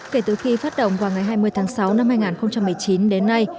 kể từ khi phát động vào ngày hai mươi tháng sáu năm hai nghìn một mươi chín đến nay